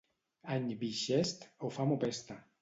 Any bixest, o fam o pesta.